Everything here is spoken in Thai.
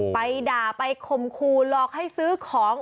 ไปด่าไปคมครูหลอกให้ซื้อของ